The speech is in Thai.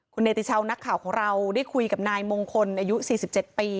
คุณเนติชาวนักข่าวของเราได้คุยกับนายมงคลอายุ๔๗ปี